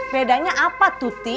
bedanya apa tuti